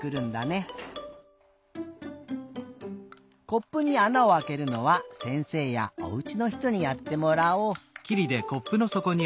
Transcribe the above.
コップにあなをあけるのはせんせいやおうちのひとにやってもらおう。